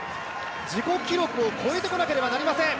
自己記録を超えてこなければなりません。